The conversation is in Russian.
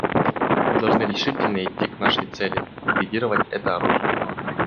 Мы должны решительно идти к нашей цели — ликвидировать это оружие.